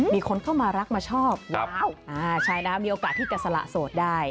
มีคนเข้ามารักมาชอบใช่นะมีโอกาสที่จะสละโสดได้